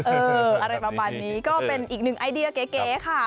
อะไรประมาณนี้ก็เป็นอีกหนึ่งไอเดียเก๋ค่ะ